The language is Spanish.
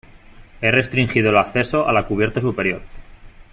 he restringido el acceso a la cubierta superior